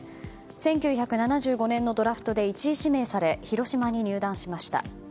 １９７５年のドラフトで１位指名され広島に入団しました。